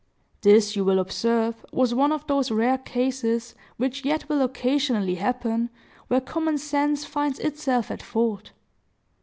This, you will observe, was one of those rare cases, which yet will occasionally happen, where common sense finds itself at fault.